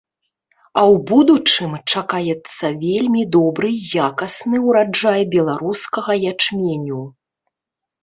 А ў будучым чакаецца вельмі добры і якасны ўраджай беларускага ячменю.